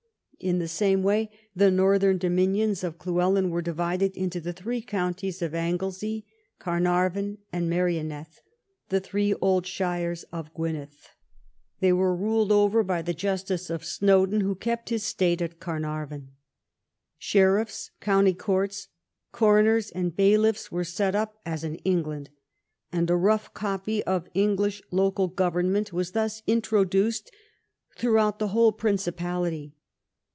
In the same way the northern dominions of Llywelyn were divided into the three counties of Anglesey, Carnarvon, and Merioneth, the three old shires of Gwynedd. They were ruled over by the justice of Snowdon, who kept his state at Carnarvon, Sheriffs, county courts, coroners, and bailiffs were set up as in England, and a rough copy of English local govern ment was thus introduced throughout the whole Prin cipality.